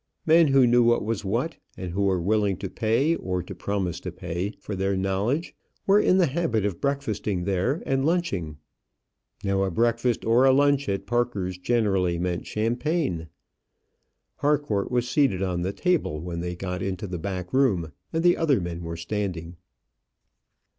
Men who knew what was what, and who were willing to pay or to promise to pay for their knowledge, were in the habit of breakfasting there, and lunching. Now a breakfast or a lunch at Parker's generally meant champagne. Harcourt was seated on the table when they got into the back room, and the other men were standing.